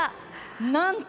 なんと！